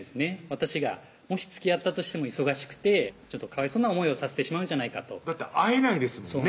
私がもしつきあったとしても忙しくてかわいそうな思いをさせてしまうんじゃないかとだって会えないですもんね